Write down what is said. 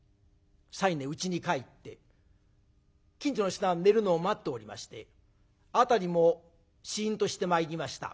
西念うちに帰って近所の人が寝るのを待っておりまして辺りもしんとしてまいりました。